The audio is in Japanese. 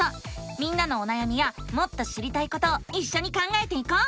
みんなのおなやみやもっと知りたいことをいっしょに考えていこう！